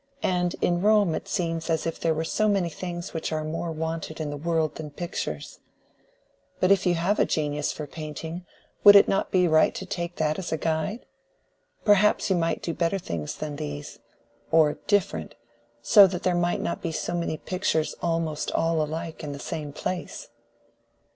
"And in Rome it seems as if there were so many things which are more wanted in the world than pictures. But if you have a genius for painting, would it not be right to take that as a guide? Perhaps you might do better things than these—or different, so that there might not be so many pictures almost all alike in the same place."